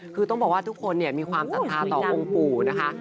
คือต้องบอกว่าทุกคนมีความศรัทธาต่อองค์ปู่นะคะ